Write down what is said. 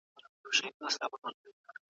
انصاف د اسلامي ټولني ځانګړتیا ده.